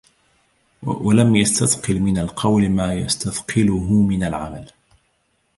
وَلَمْ يَسْتَثْقِلْ مِنْ الْقَوْلِ مَا يَسْتَثْقِلُهُ مِنْ الْعَمَلِ